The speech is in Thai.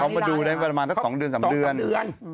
เขามาดูได้ประมาณสัก๒เดือน๓เดือน